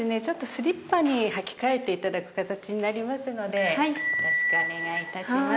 スリッパに履き替えていただく形になりますのでよろしくお願いいたします。